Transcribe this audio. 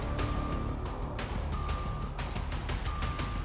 jadi dana bos pun boleh dipakai